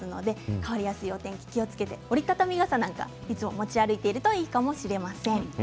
変わりやすいお天気に気をつけて折り畳み傘を持ち歩いているといいかもしれません。